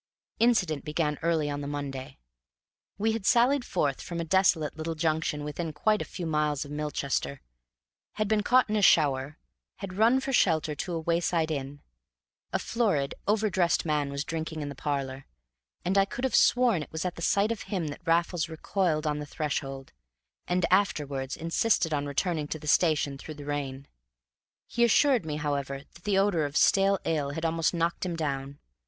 Incident began early on the Monday. We had sallied forth from a desolate little junction within quite a few miles of Milchester, had been caught in a shower, had run for shelter to a wayside inn. A florid, overdressed man was drinking in the parlor, and I could have sworn it was at the sight of him that Raffles recoiled on the threshold, and afterwards insisted on returning to the station through the rain. He assured me, however, that the odor of stale ale had almost knocked him down.